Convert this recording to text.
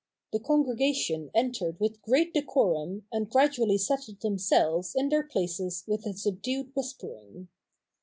The congregation entered with great decorum and gradually settled themselves in their places with a subdued whispering.